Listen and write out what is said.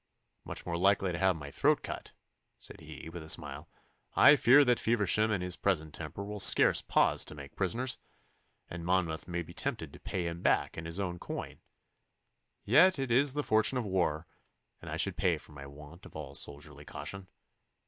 'Much more likely to have my throat cut,' said he, with a smile. 'I fear that Feversham in his present temper will scarce pause to make prisoners, and Monmouth may be tempted to pay him back in his own coin. Yet it is the fortune of war, and I should pay for my want of all soldierly caution.